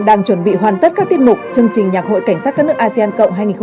đang chuẩn bị hoàn tất các tiết mục chương trình nhạc hội cảnh sát các nước asean cộng hai nghìn hai mươi